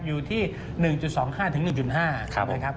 อยู่ที่๑๒๕๑๕นะครับครับผม